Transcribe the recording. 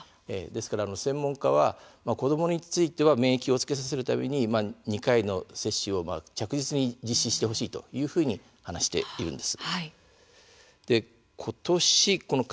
専門家は子どもについては免疫をつけさせるために２回の接種を着実に実施してほしいというふうに話しています。